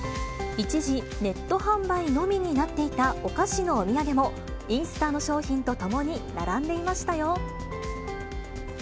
一時、ネット販売のみになっていたお菓子のお土産も、イースターの商品とともに並んでいましたよ。